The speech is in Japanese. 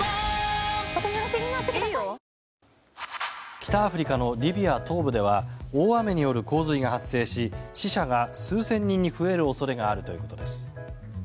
北アフリカのリビア東部では大雨による洪水が発生し死者が数千人に増える恐れがあるということです。